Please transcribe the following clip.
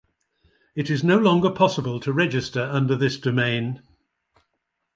It is no longer possible to register under this domain.